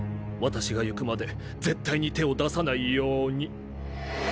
私がゆくまで絶対に手を出さないように